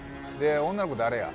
「女の子誰や？」